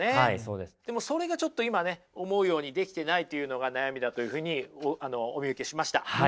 でもそれがちょっと今ね思うようにできていないというのが悩みだというふうにお見受けしました。